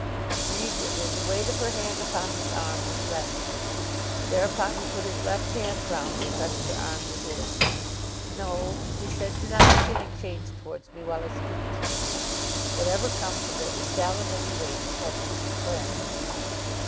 Immediately the weight of her hand upon his arm was lessened. Thereupon he put his left hand round and pressed her arm to his. "No," he said; "do not make any change towards me while I speak to you. Whatever comes of it we shall at any rate be cousins and friends."